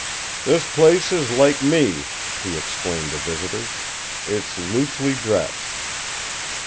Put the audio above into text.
"This place is like me," he explained to visitors; "it's loosely dressed."